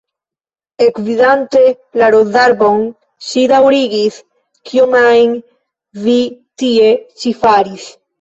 Ekvidante la rozarbon, ŝi daŭrigis: "Kion ajn vi tie ĉi faris?"